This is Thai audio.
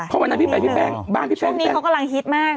ช่วงที่เขากำรังฮิตมาก